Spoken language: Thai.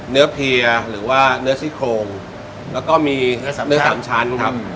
เนื้อเพียร์หรือว่าเนื้อซิโครงแล้วก็มีเนื้อสำชันครับ